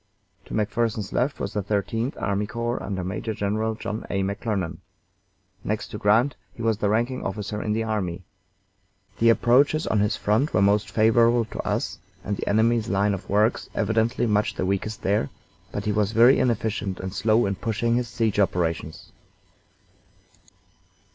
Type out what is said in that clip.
To McPherson's left was the Thirteenth Army Corps, under Major General John A. McClernand. Next to Grant he was the ranking officer in the army. The approaches on his front were most favorable to us, and the enemy's line of works evidently much the weakest there, but he was very inefficient and slow in pushing his siege operations.